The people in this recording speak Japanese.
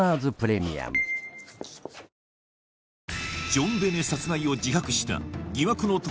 ジョンベネ殺害を自白した疑惑の男